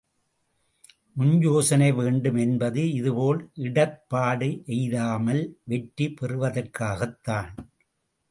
முன்யோசனை வேண்டும் என்பது இதுபோல் இடர்ப்பாடு எய்தாமல் வெற்றி பெறுவதற்குத்தான்.